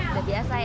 udah biasa ya